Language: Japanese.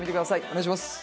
お願いします。